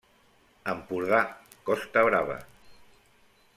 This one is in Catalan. Empordà Costa Brava.